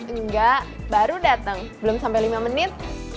enggak baru datang belum sampai lima menit